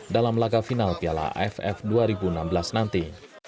dalam laga final piala aff dua ribu enam belas nanti